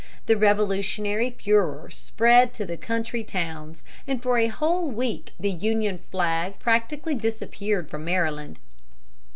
The revolutionary furor spread to the country towns, and for a whole week the Union flag practically disappeared from Maryland.